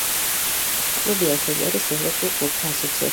კლუბი ასევე არის ევროპული კლუბთა ასოციაციის წევრი.